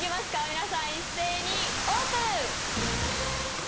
皆さん一斉にオープン。